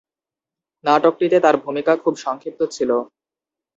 নাটকটিতে তার ভূমিকা খুব সংক্ষিপ্ত ছিল।